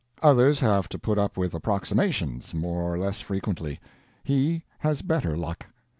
_ Others have to put up with approximations, more or less frequently; he has better luck.